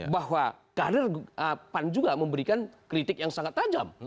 bahwa kader pan juga memberikan kritik yang sangat tajam